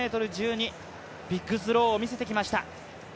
ビッグスローを見せてきました。